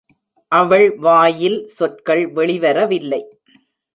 அவள் வாயில் சொற்கள் வெளிவர வில்லை.